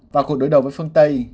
và cuộc đối đầu với phương tây